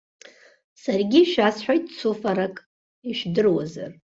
Саргьы ишәасҳәоит цуфарак, ижәдыруазар?